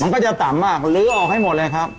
มันก็จะต่ำมากลื้อออกให้หมดเลยครับ